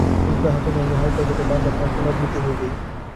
কিন্তু তাহা তো নয়, যাহা একবার ঘটে, বার বার তাহার পুনরাবৃত্তি হইবেই।